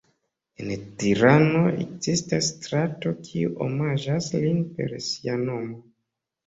En Tirano ekzistas strato kiu omaĝas lin per sia nomo.